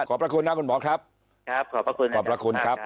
พระคุณนะคุณหมอครับครับขอบพระคุณครับขอบพระคุณครับ